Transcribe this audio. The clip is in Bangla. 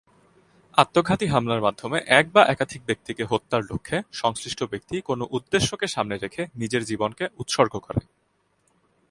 আত্মঘাতী হামলার মাধ্যমে এক বা একাধিক ব্যক্তিকে হত্যার লক্ষ্যে সংশ্লিষ্ট ব্যক্তি কোন উদ্দেশ্যকে সামনে রেখে নিজের জীবনকে উৎসর্গ করে।